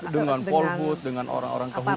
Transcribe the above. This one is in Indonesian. dengan polbut dengan orang orang kehutanan